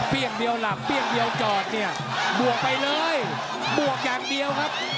อย่างเดียวหลับเปรี้ยงเดียวจอดเนี่ยบวกไปเลยบวกอย่างเดียวครับ